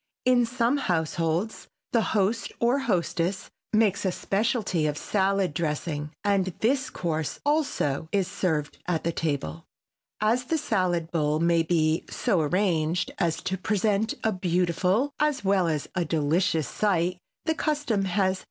In some households the host or hostess makes a specialty of salad dressing, and this course, also, is served at the table. As the salad bowl may be so arranged as to present a beautiful, as well as a delicious sight, the custom has more than one reason to recommend it.